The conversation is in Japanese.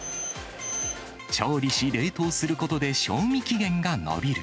調理し、冷凍することで、賞味期限が延びる。